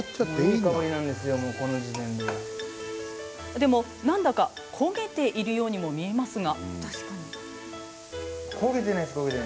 でもなんだか焦げているようにも見えますが。